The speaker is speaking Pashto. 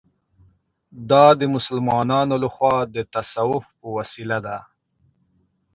دا د مسلمانانو له خوا د تصوف په وسیله ده.